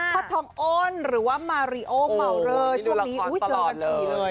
ทองอ้นหรือว่ามาริโอเมาเลอร์ช่วงนี้เจอกันฉี่เลย